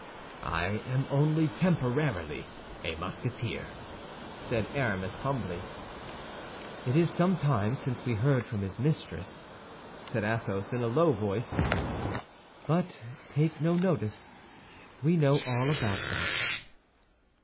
"I am only temporarily a Musketeer," said Aramis, humbly. "It is some time since we heard from his mistress," said Athos, in a low voice. "But take no notice; we know all about that."